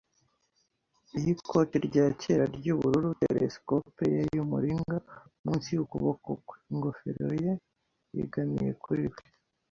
y'ikote rya kera ry'ubururu, telesikope ye y'umuringa munsi y'ukuboko kwe, ingofero ye yegamiye kuri we